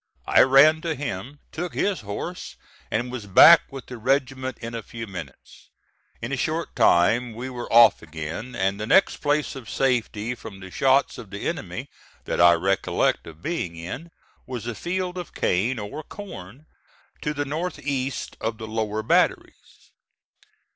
I ran to him, took his horse and was back with the regiment in a few minutes. In a short time we were off again; and the next place of safety from the shots of the enemy that I recollect of being in, was a field of cane or corn to the north east of the lower batteries.